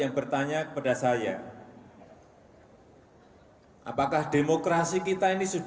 dan penyimpangan praktek demokrasi itu